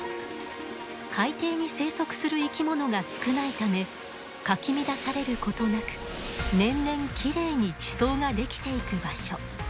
海底に生息する生き物が少ないためかき乱されることなく年々きれいに地層が出来ていく場所。